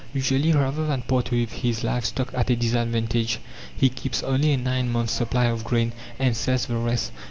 Usually, rather than part with his livestock at a disadvantage, he keeps only a nine months' supply of grain, and sells the rest.